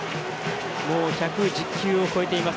１１０球を超えています。